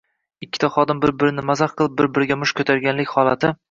Ikkita xodim bir-birini mazax qilib, bir-biriga musht ko‘targanlik holati